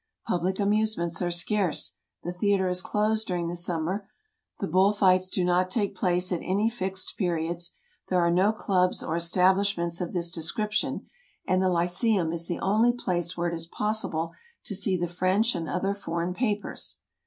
Public amusements are scarce. The theater is closed during the summer; the bull fights do not take place at any fixed periods ; there are no clubs or estab lishments of this description, and the Lyceum is the only place where it is possible to see the French and other foreign papers.